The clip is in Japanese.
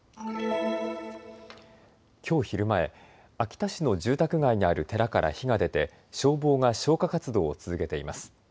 きょう昼前、秋田市の住宅街にある寺から火が出て消防が消火活動を続けています。